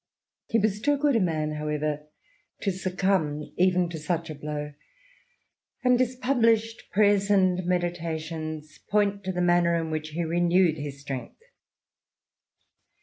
He was too good a num, however, to succumb even to such a blow, and his pub lished " Prayers and Meditations " point to the manner in which he renewed his strength.